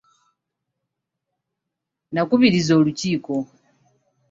Nnakubirizza olukiiko.